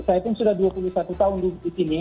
saya pun sudah dua puluh satu tahun di sini